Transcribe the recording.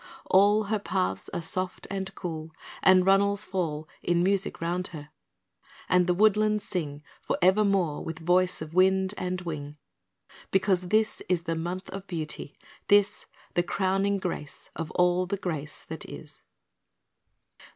All Her paths are soft and cool, and runnels fall In music round her; and the woodlands sing For evermore, with voice of wind and wing, Because this is the month of beauty this The crowning grace of all the grace that is.